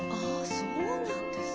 そうなんです。